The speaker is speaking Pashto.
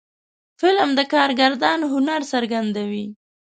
فلم د کارگردان هنر څرګندوي